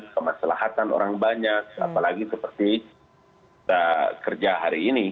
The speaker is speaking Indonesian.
kemasalahan orang banyak apalagi seperti kerja hari ini